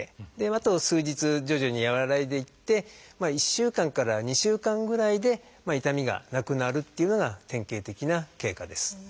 あと数日徐々に和らいでいって１週間から２週間ぐらいで痛みがなくなるっていうのが典型的な経過です。